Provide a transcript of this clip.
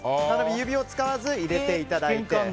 指を使わず入れていただいて。